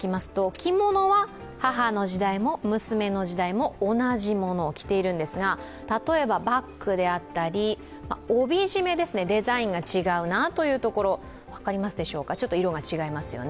着物は母の時代も娘の時代も同じものを着ているんですが例えばバッグであったり帯締め、デザインが違うなというところ、分かりますでしょうか、ちょっと色が違いますよね。